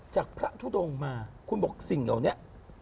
จากพระทุดงมาคุณบอกสิ่งเหล่านี้